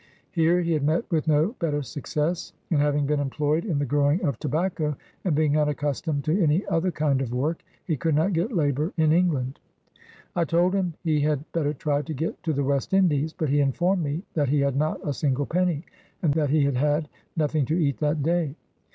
Here he had met with no better success, and having been employed in the growing of tobacco, and being unaccustomed to any other kind of work, he could not get labor in England. I told him he had better try to get to the West Indies, but he informed me that he had not a single penny, and that he had had nothing to eat that day.